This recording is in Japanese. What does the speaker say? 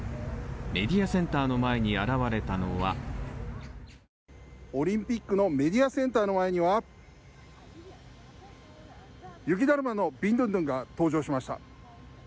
メディアセンターの前に現れたのはオリンピックのメディアセンターの前には雪だるまのビンドゥンドゥンが登場しました。